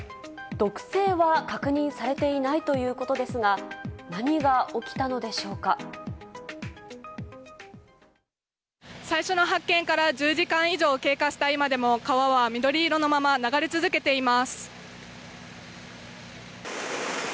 毒性は確認されていないということですが、最初の発見から１０時間以上経過した今でも、川は緑色のまま流れ続けています。